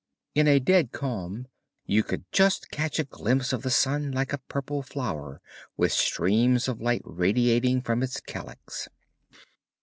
In a dead calm you could just catch a glimpse of the sun like a purple flower with a stream of light radiating from its calyx.